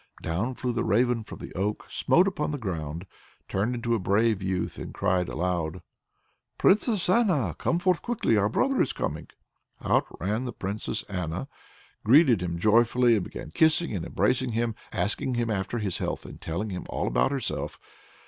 Down flew the Raven from the oak, smote upon the ground, turned into a brave youth, and cried aloud: "Princess Anna, come forth quickly! our brother is coming!" Out ran the Princess Anna, greeted him joyfully, and began kissing and embracing him, asking after his health and telling him all about herself.